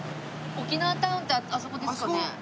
沖縄タウンってあそこですかね？